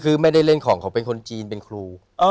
คือไม่ได้เล่นของเขาเป็นคนจีนเป็นครู